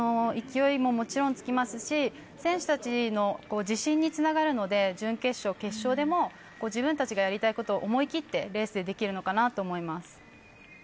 勢いももちろんつきますし選手たちの自信につながるので準決勝、決勝でも自分たちがやりたいことを思い切ってレースでできるのかなと思います。